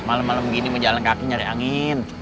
malam malam begini mau jalan kakinya cari angin